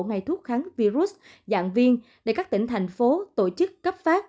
ngày thuốc kháng virus dạng viên để các tỉnh thành phố tổ chức cấp phát